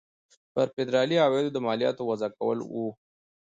پر فدرالي عوایدو د مالیاتو وضع کول وو.